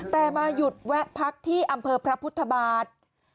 แต่มาหยุดแวะพักที่อำเภอพระพุทธบาท